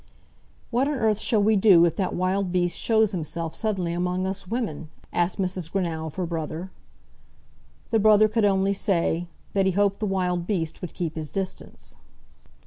"What on earth shall we do if that wild beast shows himself suddenly among us women?" asked Mrs. Greenow of her brother. The brother could only say, "that he hoped the wild beast would keep his distance."